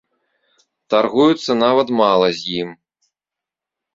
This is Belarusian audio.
Таргуюцца нават мала з ім.